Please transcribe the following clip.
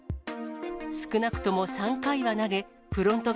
少なくとも３回は投げ、フロント